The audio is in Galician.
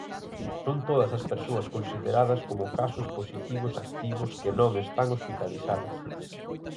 Son todas as persoas consideradas como casos "positivos activos" que non están hospitalizadas.